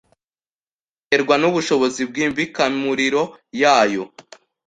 biterwa n’ubushobozi bw’imbikamuriro yayo